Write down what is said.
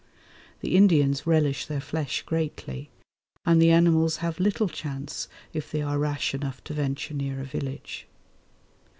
The Indians relish their flesh greatly, and the animals have little chance if they are rash enough to venture near a village.